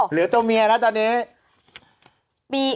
เหลือตัวเมียแล้วตอนนี้